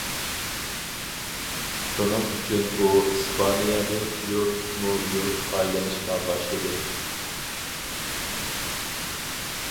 شۇنىڭ ئۈچۈن ئۇ ئىسپانىيەنى يۇرتمۇ-يۇرت ئايلىنىشقا باشلىدى.